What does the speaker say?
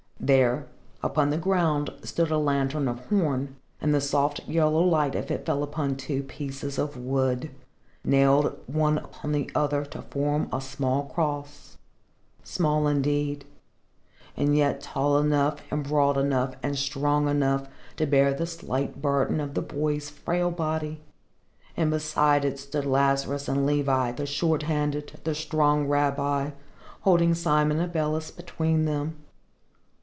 There, upon the ground, stood a lantern of horn, and the soft yellow light of it fell upon two pieces of wood, nailed one upon the other to form a small cross small, indeed, but yet tall enough and broad enough and strong enough to bear the slight burden of the boy's frail body. And beside it stood Lazarus and Levi, the Short handed, the strong rabbi, holding Simon Abeles between them.